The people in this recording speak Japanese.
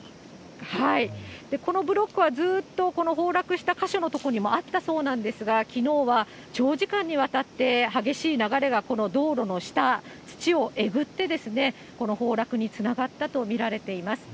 このブロックはずっとこの崩落した箇所の所にもあったそうなんですが、きのうは長時間にわたって激しい流れが、この道路の下、土をえぐって、この崩落につながったと見られています。